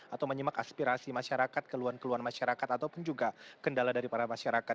atau menyimak aspirasi masyarakat keluhan keluhan masyarakat ataupun juga kendala dari para masyarakat